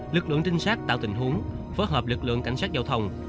lực lượng trinh sát tạo tình huống phối hợp lực lượng cảnh sát giao thông